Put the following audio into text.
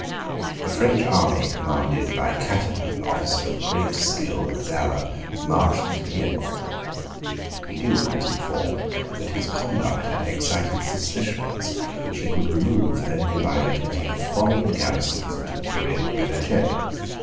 A French army commanded by Catinat, an officer of great skill and valour, marched into Piedmont. The Duke was informed that his conduct had excited suspicions which he could remove only by admitting foreign garrisons into Turin and Vercelli.